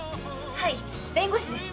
はい弁護士です。